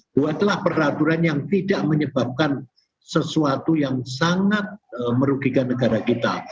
buatlah peraturan yang tidak menyebabkan sesuatu yang sangat merugikan negara kita